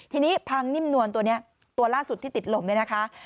ทีนี้พังนิ่มนวลตัวนี้ตัวล่าสุดที่ติดลมเนี่ยนะคะ